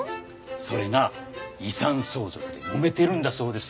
それが遺産相続でもめてるんだそうです。